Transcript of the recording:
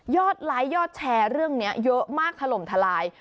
ไลค์ยอดแชร์เรื่องนี้เยอะมากถล่มทลาย